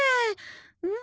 うん？